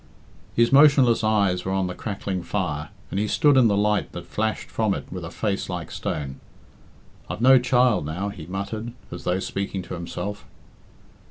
His motionless eyes were on the crackling fire, and he stood in the light that flashed from it with a face like stone. "I've no child now," he muttered, as though speaking to himself.